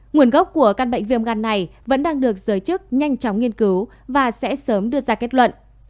nguồn gốc của căn bệnh viêm gan này vẫn đang được giới chức nhanh chóng nghiên cứu và sẽ sớm đưa ra kết luận